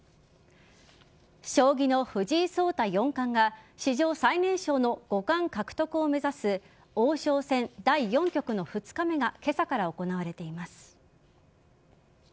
将棋の藤井聡太四冠が史上最年少の五冠獲得を目指す王将戦第４局の２日目が今朝から行われています。